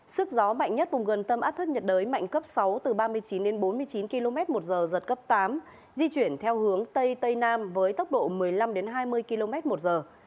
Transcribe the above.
sức gió mạnh nhất vùng gần tâm áp thấp nhiệt đới mạnh cấp sáu từ ba mươi chín đến bốn mươi chín km một giờ giật cấp tám di chuyển theo hướng tây tây nam với tốc độ một mươi năm hai mươi km một giờ